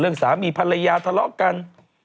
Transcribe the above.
เรื่องสามีภรรยาทะเลาะกัน